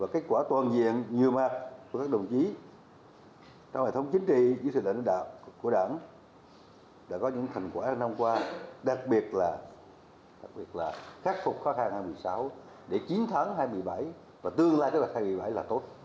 kết quả toàn diện nhiều mặt của các đồng chí trong hệ thống chính trị với sự lãnh đạo của đảng đã có những thành quả năm qua đặc biệt là khắc phục khó khăn năm hai nghìn một mươi sáu để chiến thắng năm hai nghìn một mươi bảy và tương lai tới năm hai nghìn một mươi bảy là tốt